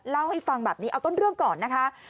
เล่าให้ฟังแบบนี้เอาต้นเรื่องก่อนนะคะ